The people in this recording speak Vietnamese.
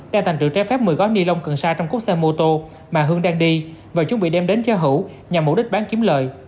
đang tành tựu tré phép một mươi gói ni lông cần sa trong cốt xe mô tô mà hương đang đi và chuẩn bị đem đến cho hữu nhằm mục đích bán kiếm lợi